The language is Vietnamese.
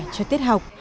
cho tiết học